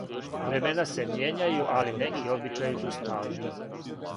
Времена се мијењају, али неки обичаји су стални.